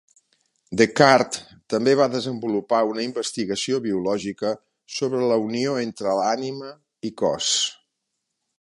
Descartes també va desenvolupar una investigació biològica sobre la unió entre ànima i cos.